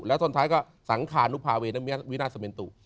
แล้วท่อนท้ายก็สังคานุภาเวนาสเมนตุ